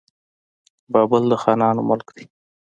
بابل د خانانو ملک دی.